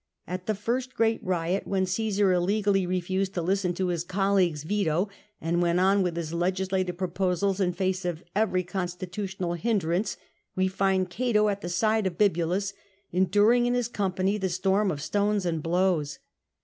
At the first great riot, when Caesar illegally refused to listen to his colleague's veto, and went on with his legislative proposals in face of every constitutional hindrance, we find Cato at the side of Bibulus, enduring in his company the storm of stones and blows.